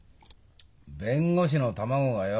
弁護士の卵がよ